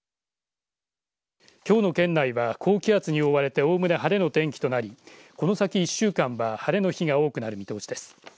きょうの県内は高気圧に覆われておおむね晴れの天気となりこの先、１週間は晴れの日が多くなる見通しです。